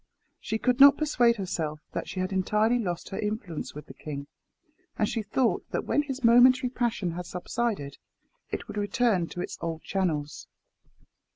She could not persuade herself that she had entirely lost her influence with the king; and she thought that when his momentary passion had subsided, it would return to its old channels.